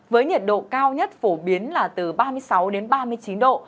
với nhiệt độ cao nhất phổ biến là từ ba mươi sáu đến ba mươi chín độ